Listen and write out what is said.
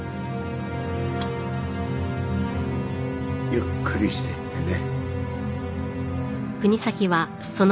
ゆっくりしてってね。